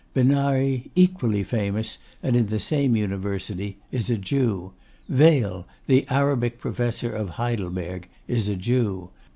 Benary, equally famous, and in the same University, is a Jew. Wehl, the Arabic Professor of Heidelberg, is a Jew.